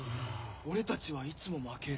俺たちはいつも負ける。